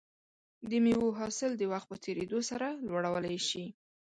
د مېوو حاصل د وخت په تېریدو سره لوړولی شي.